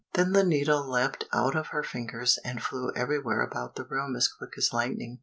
Then the needle leapt out of her fingers, and flew everywhere about the room as quick as lightning.